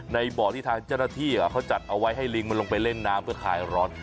ในบ่อที่ทางเจ้าหน้าที่เขาจัดเอาไว้ให้ลิงมันลงไปเล่นน้ำเพื่อคลายร้อน